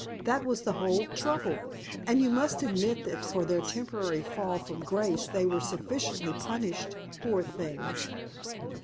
That was the whole trouble. And you must admit that for their temporary fall from grace they were sufficiently punished, poor things."